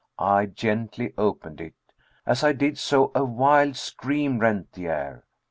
I gently opened it. As I did so a wild scream rent the air.